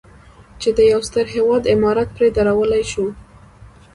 چې د یو ستر هېواد عمارت پرې درولی شو.